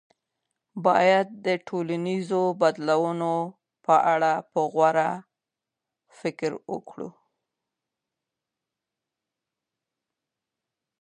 باید د ټولنیزو بدلونونو په اړه په غور فکر وکړو.